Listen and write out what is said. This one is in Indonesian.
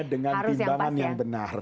tapi timbangannya dengan timbangan yang benar